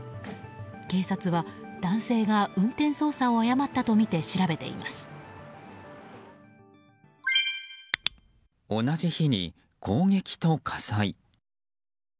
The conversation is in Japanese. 警察は、男性が運転操作を誤ったとみて調べています。